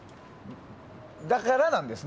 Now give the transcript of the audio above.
だからなんですね